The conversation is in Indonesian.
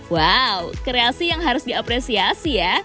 wow kreasi yang harus diapresiasi ya